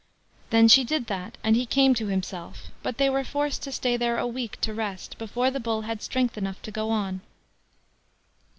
Then she did that, and he came to himself; but they were forced to stay there a week to rest before the Bull had strength enough to go on.